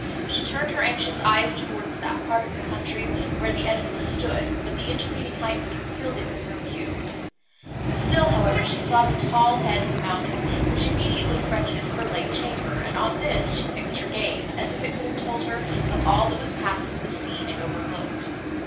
She turned her anxious eyes towards that part of the country, where the edifice stood, but the intervening heights concealed it from her view; still, however, she saw the tall head of a mountain, which immediately fronted her late chamber, and on this she fixed her gaze, as if it could have told her of all that was passing in the scene it overlooked.